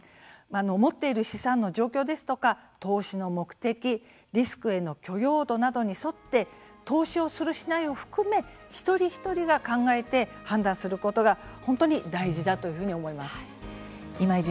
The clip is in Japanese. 持っている資産の状況ですとか投資の目的リスクへの許容度などに沿って投資をする、しないを含め一人一人が考えて判断することが本当に大事だというふうに思います。